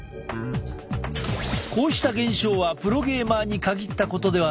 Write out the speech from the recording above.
こうした現象はプロゲーマーに限ったことではない。